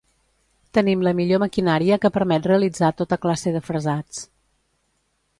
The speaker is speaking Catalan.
Tenim la millor maquinària que permet realitzar tota classe de fresats.